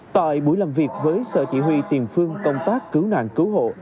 tại buổi làm việc với sở chỉ huy tiền phương công tác cứu nạn cứu hộ